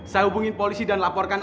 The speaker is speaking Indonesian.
saya hubungin polisi dan laporkan